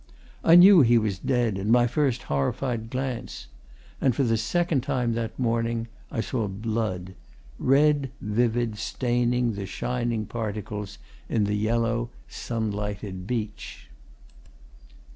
I knew he was dead in my first horrified glance. And for the second time that morning, I saw blood red, vivid, staining the shining particles in the yellow, sun lighted beach.